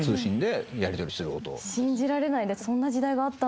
信じられないです。